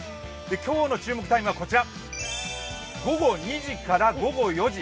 今日の注目タイムは午後２時から午後４時。